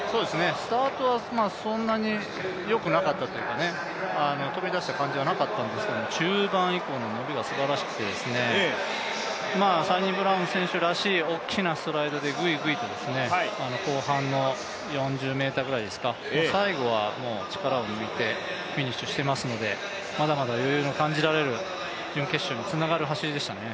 スタートはそんなによくなかったというか飛び出した感じはなかったんですが中盤以降の伸びがすばらしくて、サニブラウン選手らしい大きなストライドでグイグイと後半の４０ｍぐらいですか、最後は力を抜いてフィニッシュしていますのでまだまだ余裕の感じられる、準決勝につながる走りでしたね。